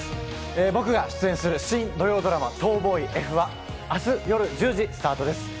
僕が出演する新土曜ドラマ『逃亡医Ｆ』は明日夜１０時スタートです。